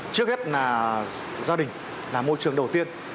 trước hết là gia đình là môi trường đầu tiên